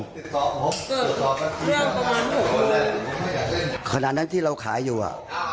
เรื่องประมาณหกบนขณะนั้นที่เราขายอยู่อ่ะ